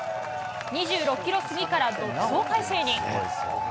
２６キロ過ぎから独走態勢に。